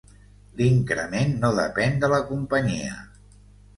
L'increment no depèn de la companyia.